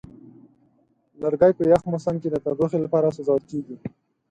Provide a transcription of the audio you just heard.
لرګی په یخ موسم کې د تودوخې لپاره سوځول کېږي.